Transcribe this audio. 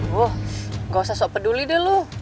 woh gak usah sok peduli deh lo